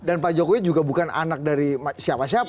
dan pak jokowi juga bukan anak dari siapa siapa